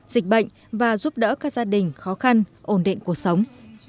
dịch bệnh và giúp đỡ các gia đình khó khăn ổn định cuộc sống